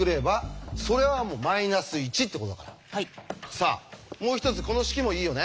さあもう一つこの式もいいよね？